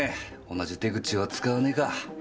同じ手口は使わねえか。